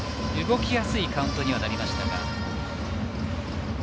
動きやすいカウントにはなりました。